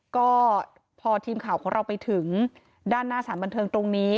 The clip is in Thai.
ก็พอทีมข่าวของเราไปถึงด้านหน้าสารบันเทิงตรงนี้